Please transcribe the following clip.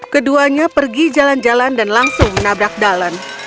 keduanya pergi jalan jalan dan langsung menabrak dalen